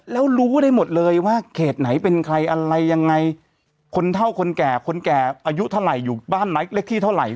แล้วรู้ได้หมดเลยว่าเขตไหนเป็นใครอะไรยังไงคนเท่าคนแก่คนแก่อายุเท่าไหร่อยู่บ้านเล็กที่เท่าไหร่